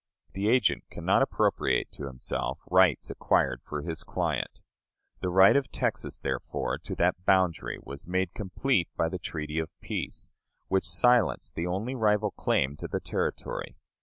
The agent can not appropriate to himself rights acquired for his client. The right of Texas, therefore, to that boundary was made complete by the treaty of peace, which silenced the only rival claim to the territory.